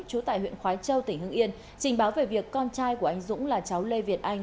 trú tại huyện khói châu tỉnh hương yên trình báo về việc con trai của anh dũng là cháu lê việt anh